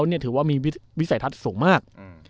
ถือว่ามีวิสัยทัศน์สูงมาก